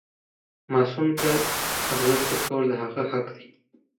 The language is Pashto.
ماسوم ته ارزښت ورکول د هغه حق دی.